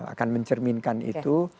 akan mencerminkan itu